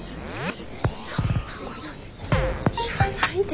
そんなこと言わないで。